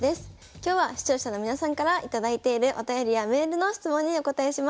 今日は視聴者の皆さんから頂いているお便りやメールの質問にお答えします。